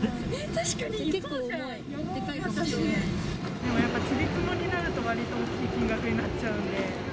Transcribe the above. でもやっぱ、ちりつもになると、わりと大きい金額になっちゃうんで。